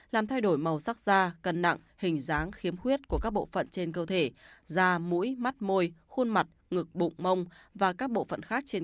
làm thay đổi màu sắc da cân nặng hình dáng khiếm khuyết của các bộ phận